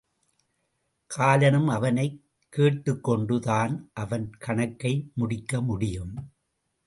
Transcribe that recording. காலனும் அவனைக் கேட்டுக்கொண்டு தான் அவன் கணக்கை முடிக்க முடியும்.